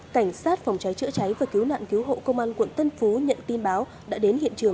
cảnh sát phòng cháy chữa cháy và cứu nạn cứu hộ công an quận tân phú